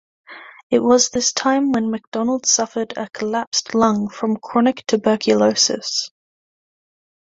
It was this time when Macdonald suffered a collapsed lung from chronic tuberculosis.